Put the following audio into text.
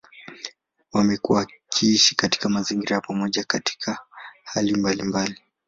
Wamekuwa wakiishi katika mazingira ya pamoja katika hali mbalimbali.